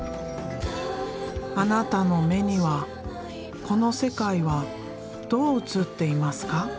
あなたの目にはこの世界はどう映っていますか？